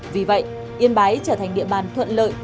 vì vậy yên bái trở thành địa bàn thuận lợi